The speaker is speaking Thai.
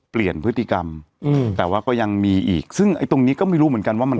เปลี่ยนพฤติกรรมอืมแต่ว่าก็ยังมีอีกซึ่งไอ้ตรงนี้ก็ไม่รู้เหมือนกันว่ามัน